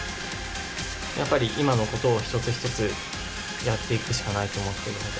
やっぱり今のことを一つ一つやっていくしかないと思っているので。